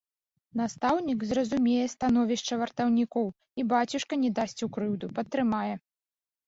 Настаўнік зразумее становішча вартаўнікоў, і бацюшка не дасць у крыўду, падтрымае!